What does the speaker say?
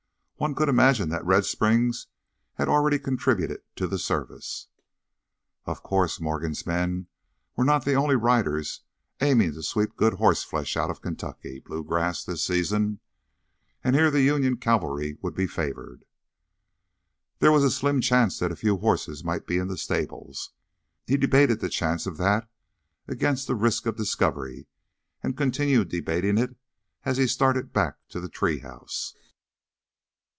One could imagine that Red Springs had already contributed to the service. Of course, Morgan's men were not the only riders aiming to sweep good horseflesh out of Kentucky blue grass this season, and here the Union cavalry would be favored. There was a slim chance that a few horses might be in the stables. He debated the chance of that against the risk of discovery and continued debating it as he started back to the tree house.